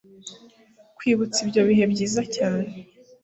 Kwibutsa ibyo bihe byiza cyane